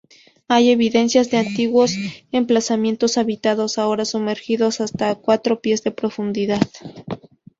Hay evidencias de antiguos emplazamientos habitados ahora sumergidos hasta a cuatro pies de profundidad.